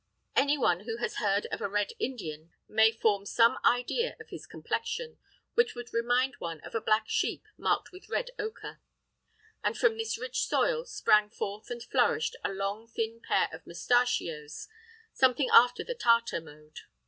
Any one who has heard of a red Indian may form some idea of his complexion, which would remind one of a black sheep marked with red ochre; and from this rich soil sprang forth and flourished a long thin pair of mustachios, something after the Tartar mode.